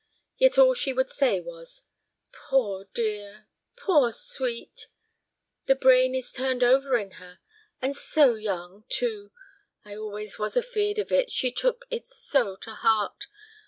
Yet all she would say was: "Poor dear, poor sweet! The brain is turned over in her. And so young, too! I always was afeard of it, she took it so to heart.